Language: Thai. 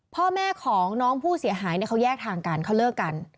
พ่อแม่ของน้องผู้เสียหายเขาแยกทางกันเขาเลิกกัน